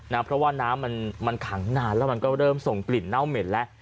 เพราะว่าน้ำมันมันขังนานแล้วมันก็เริ่มส่งกลิ่นเน่าเหม็นแล้ว